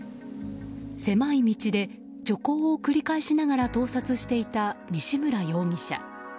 狭い道で徐行を繰り返しながら盗撮していた西村容疑者。